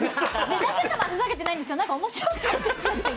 舘様はふざけてないんですけど面白くなっちゃって。